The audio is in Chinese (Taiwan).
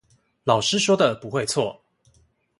老師說的不會錯